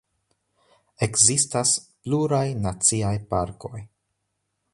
Ekzistas pluraj naciaj parkoj.